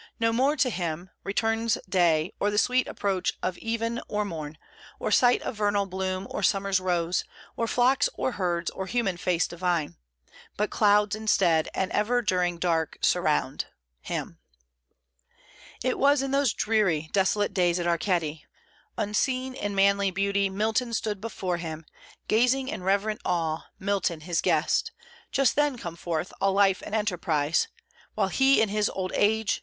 No more to him "Returns Day, or the sweet approach of even or morn, Or sight of vernal bloom, or summer's rose, Or flocks, or herds, or human face divine; But clouds, instead, and ever during dark Surround" [him]. It was in those dreary desolate days at Arceti, "Unseen In manly beauty Milton stood before him, Gazing in reverent awe, Milton, his guest, Just then come forth, all life and enterprise; While he in his old age